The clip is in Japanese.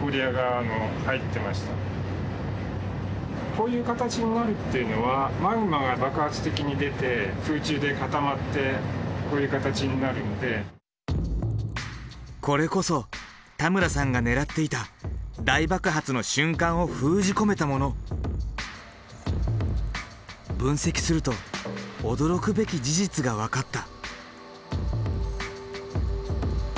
こういう形になるっていうのはこれこそ田村さんが狙っていた大爆発の瞬間を封じ込めたもの。分析すると驚くべき事実が分かった。